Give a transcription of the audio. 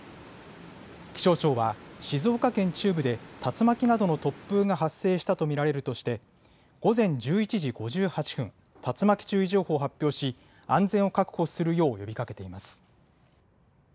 気象庁は、静岡県中部で竜巻などの突風が発生したと見られるとして、午前１１時５８分、竜巻注意情報を発表し、安全を確保するよう呼びかけています。